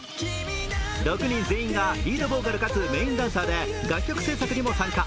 ６人全員がリードボーカルかつメインダンサーで楽曲制作にも参加。